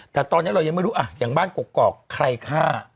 แต่ตอนนี้เรายังไม่รู้อย่างบ้านกรอกใครฆ่า